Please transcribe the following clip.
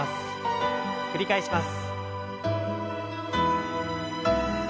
繰り返します。